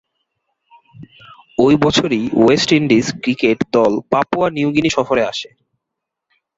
ঐ বছরই West Indies cricket দল পাপুয়া নিউগিনি সফরে আসে।